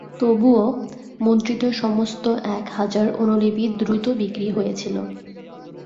তবুও, মুদ্রিত সমস্ত এক হাজার অনুলিপি দ্রুত বিক্রি হয়েছিল।